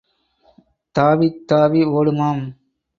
தாவித் தாவி ஓடுமாம்.